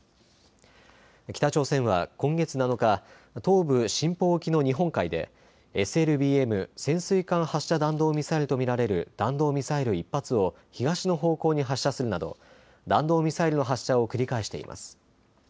北朝鮮は今月７日、東部シンポ沖の日本海でＳＬＢＭ・潜水艦発射弾道ミサイルと見られる弾道ミサイル１発を東の方向に発射するなど弾道ミサイルの発射を繰り返しています。